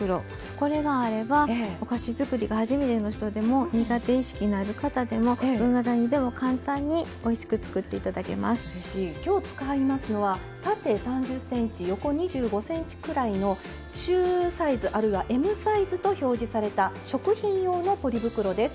これがあれば、お菓子づくりが初めての人でも苦手意識がある人でもどなたでも簡単に今日、使いますのは縦３０ｃｍ、横２５ｃｍくらいの中サイズあるいは「Ｍサイズ」と表示された食品用のポリ袋です。